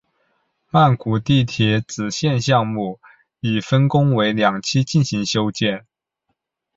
曼谷地铁紫线项目已分工为两期进行修建。